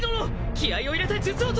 気合を入れて術を解け！